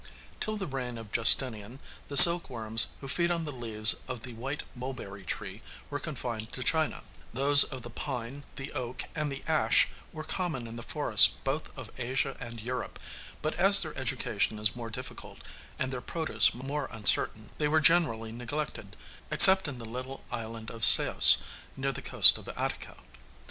Till the reign of Justinian, the silkworms who feed on the leaves of the white mulberry tree were confined to China; those of the pine, the oak, and the ash were common in the forests both of Asia and Europe: but as their education is more difficult, and their produce more uncertain, they were generally neglected, except in the little island of Ceos, near the coast of Attica.